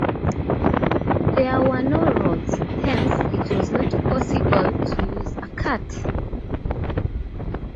There were no roads, hence it was not possible to use a cart.